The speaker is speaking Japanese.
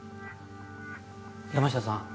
山下さん